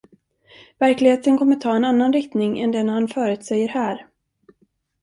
Verkligheten kommer att ta en annan riktning än den han förutsäger här.